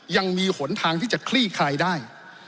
หนทางที่จะคลี่คลายได้